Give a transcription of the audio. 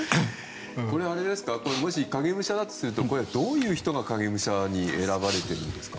もし影武者だとするとどういう人が影武者に選ばれているんですか。